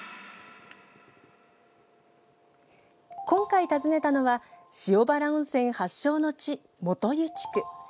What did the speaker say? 今回、訪ねたのは塩原温泉発祥の地、元湯地区。